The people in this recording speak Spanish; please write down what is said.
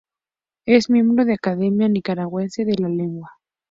Es miembro de la Academia Nicaragüense de la Lengua.